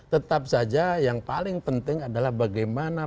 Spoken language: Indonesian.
tetap saja yang paling penting adalah bagaimana